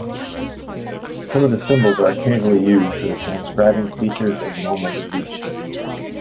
Some of the symbols are occasionally used for transcribing features of normal speech.